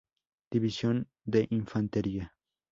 División de Infantería.